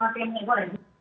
mafia minyak goreng